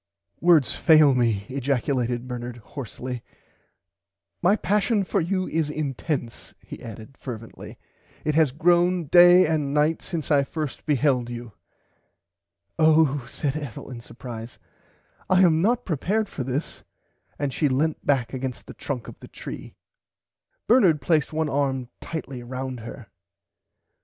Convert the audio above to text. Words fail me ejaculated Bernard horsly my passion for you is intense he added fervently. It has grown day and night since I first beheld you. Oh said Ethel in supprise I am not prepared for this and she lent back against the trunk of the tree. Bernard placed one arm tightly round her.